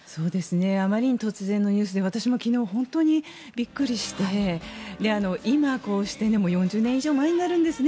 あまりに突然のニュースで私も本当にびっくりして４０年以上前になるんですね